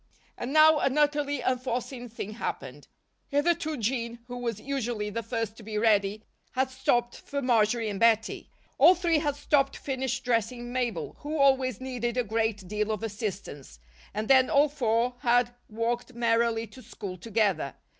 And now, an utterly unforeseen thing happened. Hitherto Jean, who was usually the first to be ready, had stopped for Marjory and Bettie. All three had stopped to finish dressing Mabel, who always needed a great deal of assistance, and then all four had walked merrily to school together.